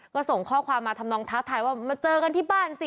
ก็ส่งข้อความมาทำนองท้าทายว่ามาเจอกันที่บ้านสิ